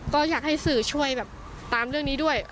ก็อยากให้สื่อช่วยแบบตามเรื่องนี้ด้วย